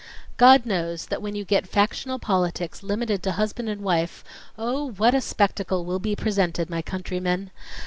.. "God knows that ... when you get factional politics limited to husband and wife, oh, what a spectacle will be presented, my countrymen